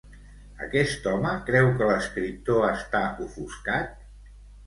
Aquest home creu que l'escriptor està ofuscat?